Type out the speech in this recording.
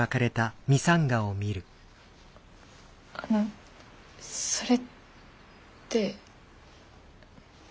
あのそれって。